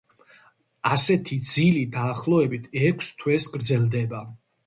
ასეთი ძილი, დაახლოებით, ექვს თვეს გრძელდება.